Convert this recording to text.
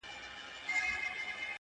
مړ مه سې ـ د بل ژوند د باب وخت ته ـ